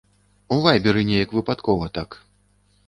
У вайберы неяк выпадкова так.